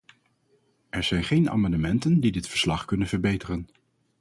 Er zijn geen amendementen die dit verslag kunnen verbeteren.